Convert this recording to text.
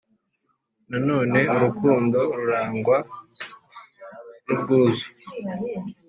nanone urukundo rurangwa n ubwuzu